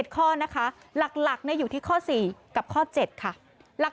ข้อนะคะหลักอยู่ที่ข้อ๔กับข้อ๗ค่ะหลัก